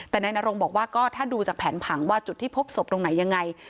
แต่นายนรงบอกว่าก็ถ้าดูจากแผนผังว่าจุดที่พบศพตรงไหนยังไง